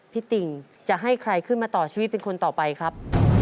ติ่งจะให้ใครขึ้นมาต่อชีวิตเป็นคนต่อไปครับ